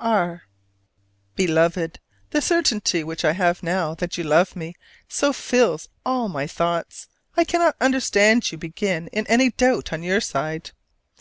R. Beloved: The certainty which I have now that you love me so fills all my thoughts, I cannot understand you being in any doubt on your side.